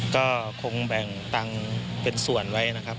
ก็คงแบ่งตังค์เป็นส่วนไว้นะครับ